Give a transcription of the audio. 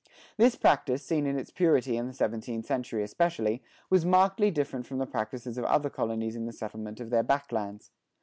This practice, seen in its purity in the seventeenth century especially, was markedly different from the practices of other colonies in the settlement of their back lands.